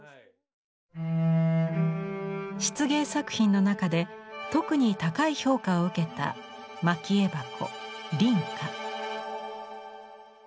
漆芸作品の中で特に高い評価を受けた蒔絵箱「凛花」。